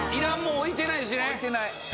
置いてない。